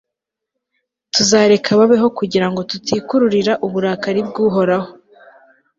tuzareka babeho kugira ngo tutikururira uburakari bw'uhoraho